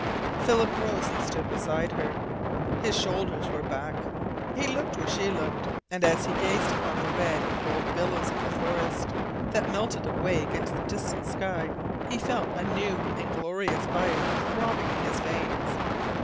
Philip rose and stood beside her. His shoulders were back. He looked where she looked, and as he gazed upon the red and gold billows of forest that melted away against the distant sky he felt a new and glorious fire throbbing in his veins.